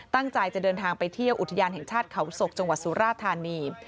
ตั้งใจจะเดินทางไปเที่ยวอุทยานแห่งชาติเขาศกจังหวัดสุราธานี